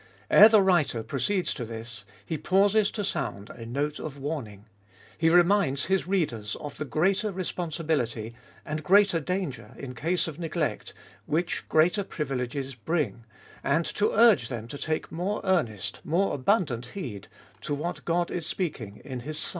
Ere the writer proceeds to this, he pauses to sound a note of warning. He reminds his readers of the greater responsibility and greater danger in case of neglect, which greater privileges bring, and to urge them to take more earnest, more abundant heed to what God is speaking in His Son.